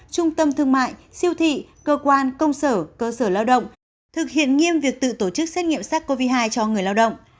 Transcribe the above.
trung tâm thương mại siêu thị cơ quan công sở cơ sở lao động thực hiện nghiêm việc tự tổ chức xét nghiệm sars cov hai cho người lao động